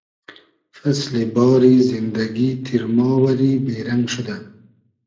فئسلی باری زیندئگی تیرما وئری بې رئنگ شودۂ